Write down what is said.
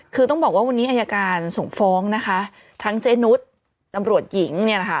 คือต้องบอกว่าวันนี้อายการส่งฟ้องนะคะทั้งเจนุสตำรวจหญิงเนี่ยนะคะ